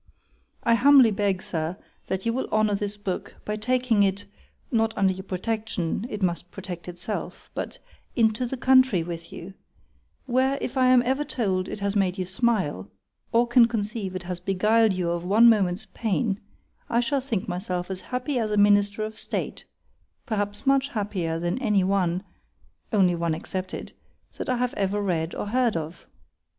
I humbly beg, Sir, that you will honour this book, by taking it—(not under your Protection,—it must protect itself, but)—into the country with you; where, if I am ever told, it has made you smile; or can conceive it has beguiled you of one moment's pain—I shall think myself as happy as a minister of state;——perhaps much happier than any one (one only excepted) that I have read or heard of.